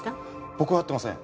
僕は会ってません。